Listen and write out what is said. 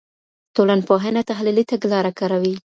ټولنپوهنه تحلیلي تګلاره کاروي.